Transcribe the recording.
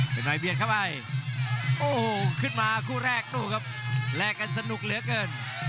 เป็นนายเบียดเข้าไปโอ้โหขึ้นมาคู่แรกดูครับแลกกันสนุกเหลือเกิน